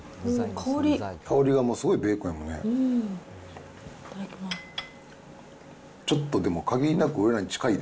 香りがすごいベーコンやもんね。